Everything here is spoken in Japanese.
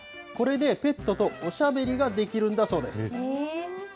これでペットとおしゃべりができるんだそうです。